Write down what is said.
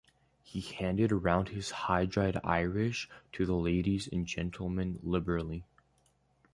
He handed round his high-dried Irish to the ladies and gentlemen liberally.